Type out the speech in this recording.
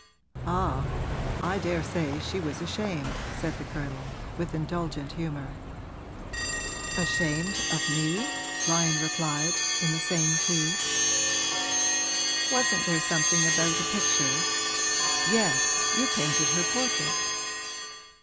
'Ah, I daresay she was ashamed,' said the Colonel, with indulgent humour. 'Ashamed of me?' Lyon replied, in the same key. 'Wasn't there something about a picture? Yes; you painted her portrait.'